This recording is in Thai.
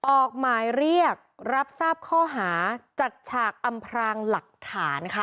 ออกหมายเรียกรับทราบข้อหาจัดฉากอำพรางหลักฐานค่ะ